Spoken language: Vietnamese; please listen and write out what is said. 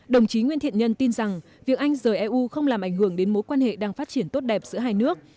đồng chí nguyễn thiện nhân tin rằng việc anh rời eu không làm ảnh hưởng đến mối quan hệ đang phát triển tốt đẹp giữa hai nước